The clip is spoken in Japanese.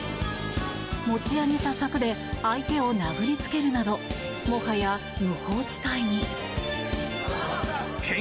持ち上げた柵で相手を殴りつけるなどもはや無法地帯に。